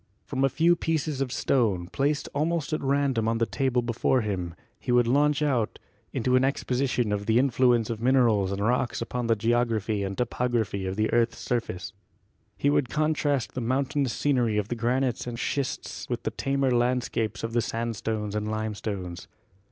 From a few pieces of stone, placed almost at random on the table before him he would 52 GEOLOGY launch out into an exposition of the influence of minerals and rocks upon the geography and topography of the earth's surface. He would contrast the mountainous scenery of the granites and schists with the tamer land scapes of the sandstones and limestones.